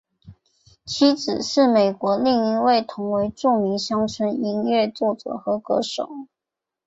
妻子是美国另一位同为著名乡村音乐作者和歌手。